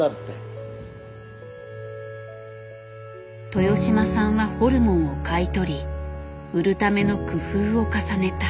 豊島さんはホルモンを買い取り売るための工夫を重ねた。